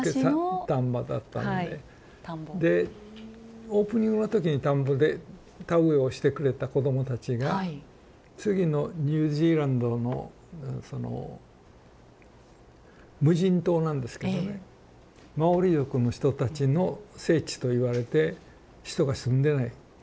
でオープニングの時に田んぼで田植えをしてくれた子どもたちが次のニュージーランドのその無人島なんですけどねマオリ族の人たちの聖地といわれて人が住んでない小さな島。